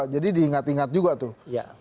jadi diingat ingat juga tuh